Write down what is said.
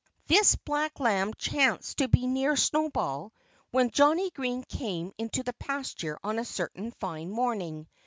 This black lamb chanced to be near Snowball when Johnnie Green came into the pasture on a certain fine morning.